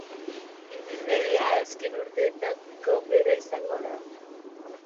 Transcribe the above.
Ibilbidea azken urteetako bera izango da.